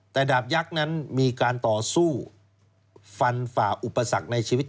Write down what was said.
แต่ดาบยักษ์นั้นมีการต่อสู้ฟันฝ่าอุปสรรคในชีวิต